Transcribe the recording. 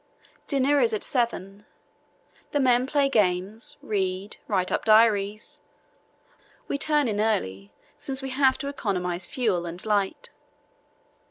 Dinner is at 7. The men play games, read, write up diaries. We turn in early, since we have to economize fuel and light.